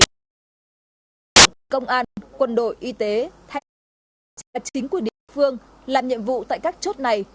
tại công an quân đội y tế thách chính của địa phương làm nhiệm vụ tại các chốt này